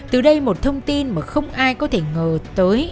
từ đây một thông tin mà không ai có thể ngờ tới